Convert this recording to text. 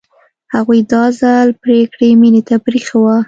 هغوی دا ځل پرېکړه مينې ته پرېښې وه